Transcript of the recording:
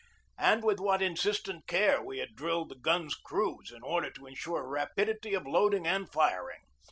And with what insistent care we had drilled the guns' crews in order to insure rapidity of loading and firing!